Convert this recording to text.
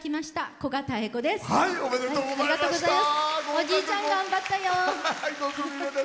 おじいちゃん、頑張ったよ！